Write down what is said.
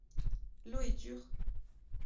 L’eau est dure.